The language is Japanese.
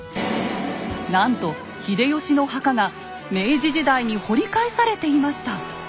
なんと秀吉の墓が明治時代に掘り返されていました。